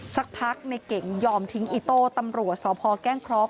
สักพักในเก่งยอมทิ้งอิโต้ตำรวจสพแก้งเคราะห